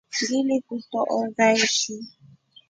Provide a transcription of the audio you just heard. Ngilikutoonza shi.